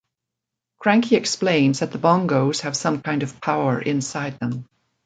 Cranky explains that the bongos have some kind of power inside them.